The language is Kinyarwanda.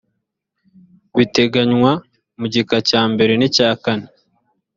biteganywa mu gika cya mbere n icya kane